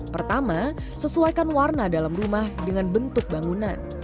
pertama sesuaikan warna dalam rumah dengan bentuk bangunan